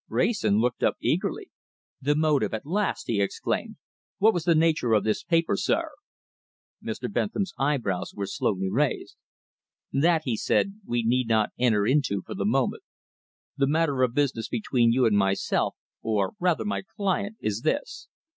Wrayson looked up eagerly. "The motive at last!" he exclaimed. "What was the nature of this paper, sir?" Mr. Bentham's eyebrows were slowly raised. "That," he said, "we need not enter into for the moment. The matter of business between you and myself, or rather my client, is this.